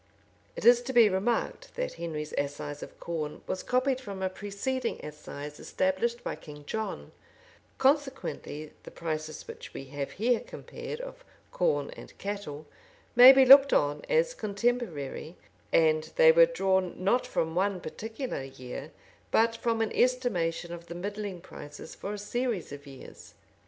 It is to be remarked, that Henry's assize of corn was copied from a preceding assize established by King John; consequently, the prices which we have here compared of corn and cattle may be looked on as contemporary; and they were drawn, not from one particular year, but from an estimation of the middling prices for a series of years.